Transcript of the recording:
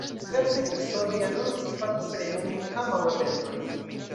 Diversaj personoj anoncis partoprenon en ambaŭ eventoj.